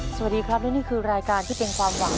สวัสดีครับและนี่คือรายการที่เป็นความหวัง